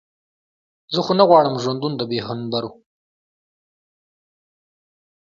زه خو نه غواړم ژوندون د بې هنبرو.